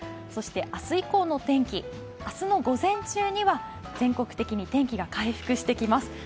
そして明日以降のお天気、明日の午前中には全国的に天気が回復してきます。